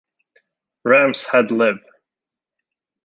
Rams Head Live!